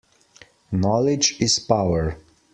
Knowledge is power.